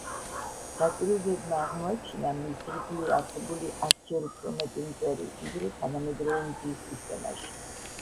დაკვირვებებმა აღმოაჩინა მის ირგვლივ არსებული ათჯერ უფრო მეტი მტვერი, ვიდრე თანამედროვე მზის სისტემაში.